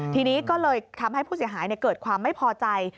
ทีนี้ก็เลยทำให้ผู้เสียหายเกิดความไม่พอใจ